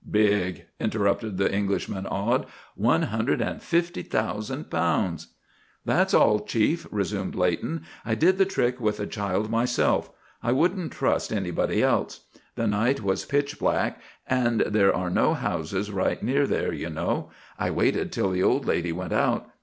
"Big!" interrupted the Englishman, awed, "one hundred and fifty thousand pounds!" "That's all, Chief," resumed Leighton. "I did the trick with the child myself, I wouldn't trust anybody else. The night was pitch black and there are no houses right near there, you know. I waited till the old lady went out.